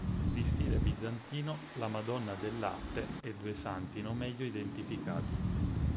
Di stile bizantino la "Madonna del latte" e due santi non meglio identificati.